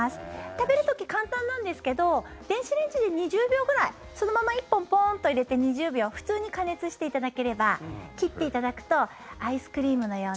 食べる時、簡単なんですけど電子レンジで２０秒ぐらいそのまま１本ポーンと入れて２０秒普通に加熱していただければ切っていただくとアイスクリームのような。